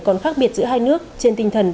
còn khác biệt giữa hai nước trên tinh thần